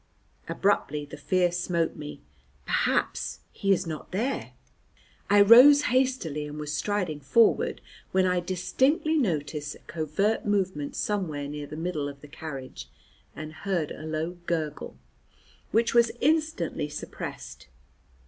Abruptly, the fear smote me. Perhaps he is not there. I rose hastily, and was striding forward, when I distinctly noticed a covert movement somewhere near the middle of the carriage, and heard a low gurgle, which was instantly suppressed.